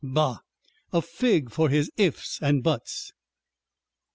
Bah! A fig for his 'ifs' and 'buts'!"